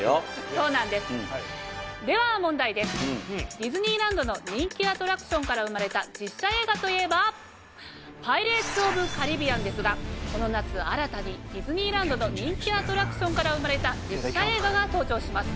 ディズニーランドの人気アトラクションから生まれた実写映画といえば『パイレーツ・オブ・カリビアン』ですがこの夏新たにディズニーランドの人気アトラクションから生まれた実写映画が登場します。